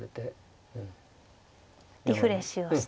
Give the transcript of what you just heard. リフレッシュをして。